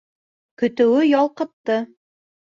Көтөүе ялҡытты